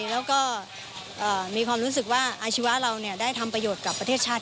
แล้วก็มีความรู้สึกว่าอาชีวะเราได้ทำประโยชน์กับประเทศชาติ